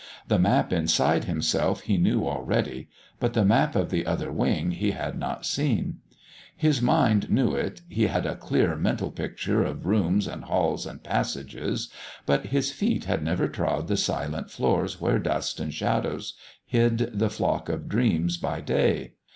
The map inside himself he knew already, but the map of the Other Wing he had not seen. His mind knew it, he had a clear mental picture of rooms and halls and passages, but his feet had never trod the silent floors where dust and shadows hid the flock of dreams by day.